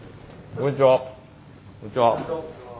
こんにちは。